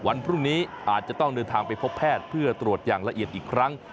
วันพรุ่งนี้อาจจะต้องเดินทางไปพบแพทย์เพื่อตรวจอย่างละเอียดอีกครั้ง